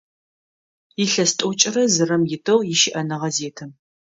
Илъэс тӏокӏрэ зырэм итыгъ ищыӏэныгъэ зетым.